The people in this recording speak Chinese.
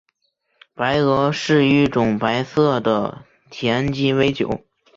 白俄是一种白色的甜鸡尾酒。